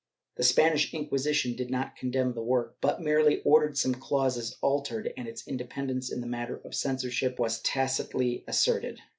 The Spanish Inquisition did not condemn the work, but merely ordered some clauses altered, and its independence in the matter of censorship was tacitly asserted.